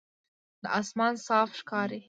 دا آسمان صاف ښکاري.